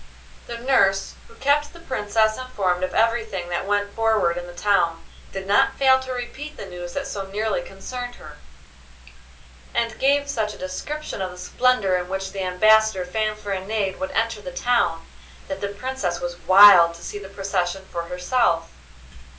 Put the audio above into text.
The nurse, who kept the Princess informed of everything that went forward in the town, did not fail to repeat the news that so nearly concerned her, and gave such a description of the splendour in which the ambassador Fanfaronade would enter the town, that the Princess was wild to see the procession for herself.